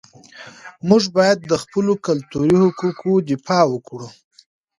موږ باید د خپلو کلتوري حقوقو دفاع وکړو.